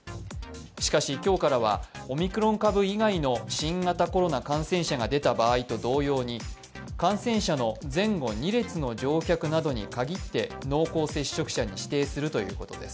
しかし、今日からはオミクロン株以外の新型コロナ感染者が出た場合と同様に感染者の前後２列の乗客などに限って濃厚接触者に指定するということです。